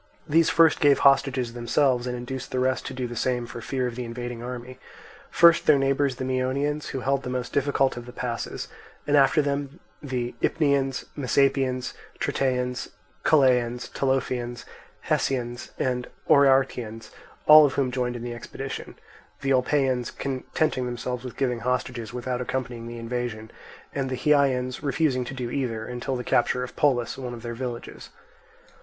These first gave hostages themselves, and induced the rest to do the same for fear of the invading army; first, their neighbours the Myonians, who held the most difficult of the passes, and after them the Ipnians, Messapians, Tritaeans, Chalaeans, Tolophonians, Hessians, and Oeanthians, all of whom joined in the expedition; the Olpaeans contenting themselves with giving hostages, without accompanying the invasion; and the Hyaeans refusing to do either, until the capture of Polis, one of their villages.